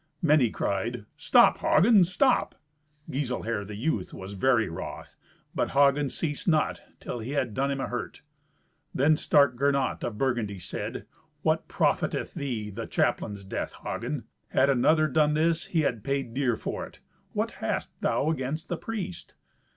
Many cried, "Stop, Hagen, stop!" Giselher, the youth, was very wroth, but Hagen ceased not, till he had done him a hurt. Then stark Gernot of Burgundy said, "What profiteth thee the chaplain's death, Hagen? Had another done this, he had paid dear for it. What hast thou against the priest?"